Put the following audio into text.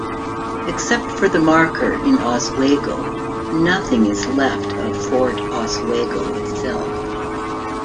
Except for the marker in Oswego, nothing is left of Fort Oswego itself.